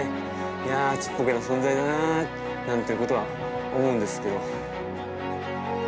いやちっぽけな存在だななんていうことは思うんですけど。